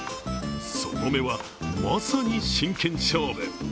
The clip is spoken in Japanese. その目は、まさに真剣勝負。